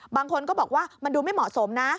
บางคนก็บอกว่ามันดูไม่เหมาะสมนะ